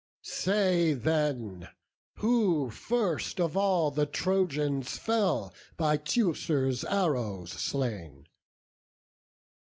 Say then, who first of all the Trojans fell By Teucer's arrows slain?